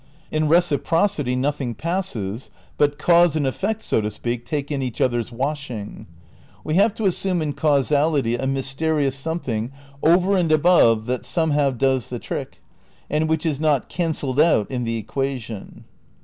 In reci procity nothing passes, but cause and effect, so to speak, take in each other's washing. We have to as sume in causality a mysterious something over and above that somehow does the trick, and which is not cancelled out in the equation.